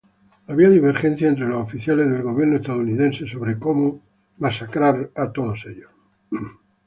Habían divergencias entre los oficiales del gobierno estadounidense sobre como manejar la situación.